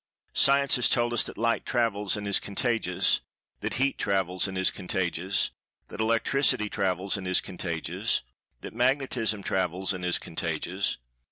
Science has told us that Light travels and is "contagious," that Heat travels and is "contagious," that Electricity travels and is "contagious," that Magnetism travels and is "contagious."